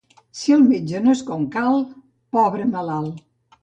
Si el metge no és com cal, pobre malalt.